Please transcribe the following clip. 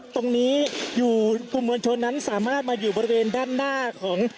ตรงนี้อยู่กลุ่มมวลชนนั้นสามารถมาอยู่บริเวณด้านหน้าของ